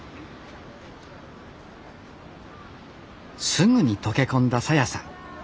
すぐに溶け込んだ沙耶さん。